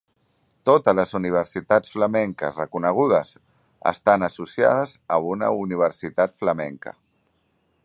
Totes les universitats flamenques reconegudes estan associades a una universitat flamenca.